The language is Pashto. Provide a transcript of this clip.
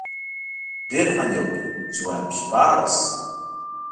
ډېر خوند یې وکړ، چې وایم شپاړس.